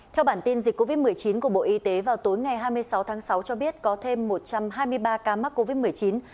theo bản tin dịch covid một mươi chín của bộ y tế vào tối ngày hai mươi sáu tháng sáu cho biết có thêm một trăm hai mươi ba ca mắc covid một mươi chín